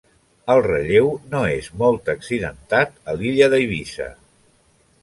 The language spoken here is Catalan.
El relleu no és molt accidentat a l'illa d'Eivissa.